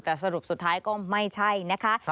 แต่สรุปสุดท้ายก็ไม่ใช่นะคะ